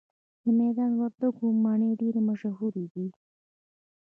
د میدان وردګو مڼې ډیرې مشهورې دي